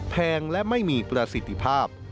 แงและไม่มีประสิทธิภาพ